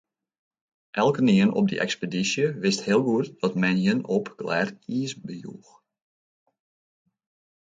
Elkenien op dy ekspedysje wist hiel goed dat men jin op glêd iis bejoech.